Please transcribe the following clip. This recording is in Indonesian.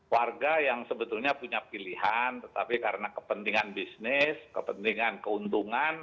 warga yang sebetulnya punya pilihan tetapi karena kepentingan bisnis kepentingan keuntungan